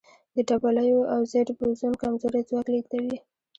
د ډبلیو او زیډ بوزون کمزوری ځواک لېږدوي.